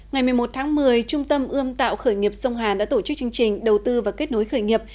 ngày một mươi một tháng một mươi trung tâm ươm tạo khởi nghiệp sông hàn đã tổ chức chương trình đầu tư và kết nối khởi nghiệp